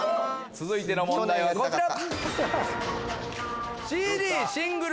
続いての問題はこちら。